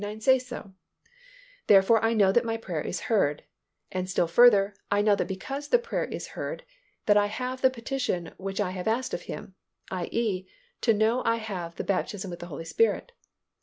39 say so, therefore I know my prayer is heard, and still further I know because the prayer is heard that I have the petition which I have asked of Him, i. e., I know I have the baptism with the Holy Spirit.